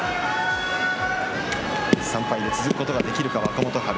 ３敗で続くことができるか、若元春。